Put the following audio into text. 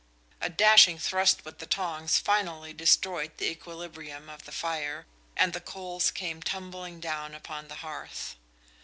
A dashing thrust with the tongs finally destroyed the equilibrium of the fire, and the coals came tumbling down upon the hearth.